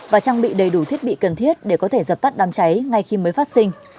và trang bị đầy đủ thiết bị cần thiết để có thể dập tắt đám cháy ngay khi mới phát sinh